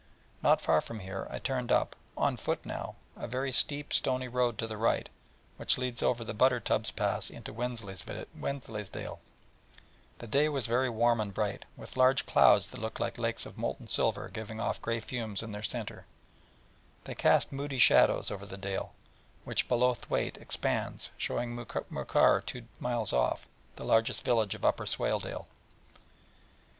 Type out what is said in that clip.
Not far from here I turned up, on foot now, a very steep, stony road to the right, which leads over the Buttertubs Pass into Wensleydale, the day being very warm and bright, with large clouds that looked like lakes of molten silver giving off grey fumes in their centre, casting moody shadows over the swardy dale, which below Thwaite expands, showing Muker two miles off, the largest village of Upper Swaledale.